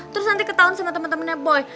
terus nanti ketahuan sama temen temennya boy